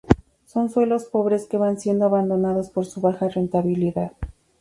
Son suelos pobres que van siendo abandonados por su baja rentabilidad.